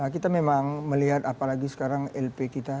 kita memang melihat apalagi sekarang lp kita